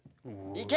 いけ！